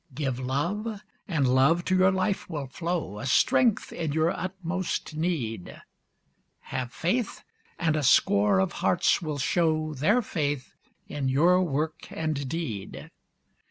Give love, and love to your life will flow, And strength in your inmost needs; Have faith, and a score of hearts will show Their faith in your work and deeds.